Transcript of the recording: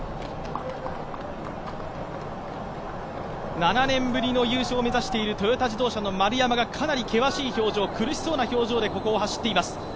７年ぶりの優勝を目指しているトヨタ自動車の丸山がかなり険しい表情、苦しそうな表情で走っています。